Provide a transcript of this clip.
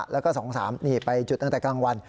แล้วก็๒๓นี่ไปจุดตั้งแต่กลางวัน